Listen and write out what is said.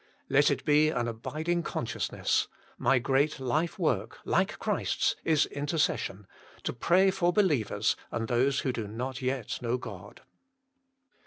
Let it be an abiding consciousness : My great life work, like Christ s, is intercession to pray for believers and those who do not yet know God.